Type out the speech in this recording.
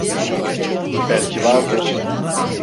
Belki vardır.